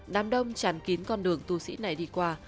đám đông tràn kín con đường tu sĩ này đi qua